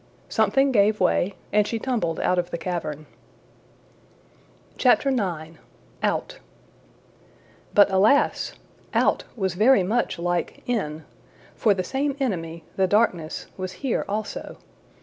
Something gave way, and she tumbled out of the cavern. IX. Out BUT alas! out was very much like in, for the same enemy, the darkness, was here also.